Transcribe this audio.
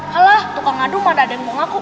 halah tukang ngadu mana ada yang mau ngaku